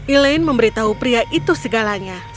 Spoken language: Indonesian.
elaine memberitahu pria itu segalanya